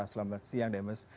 selamat siang demes